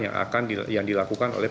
yang dilakukan oleh